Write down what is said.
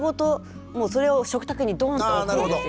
もうそれを食卓にドーンと置くんですよ。